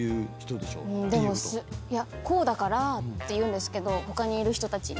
「こうだから」って言うんですけど他にいる人たちに。